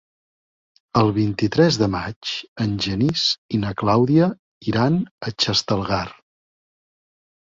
El vint-i-tres de maig en Genís i na Clàudia iran a Xestalgar.